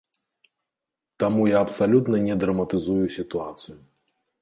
Таму я абсалютна не драматызую сітуацыю.